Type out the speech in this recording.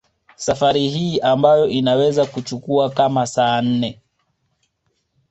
Safari hii ambayo inaweza kuchukua kama saa nne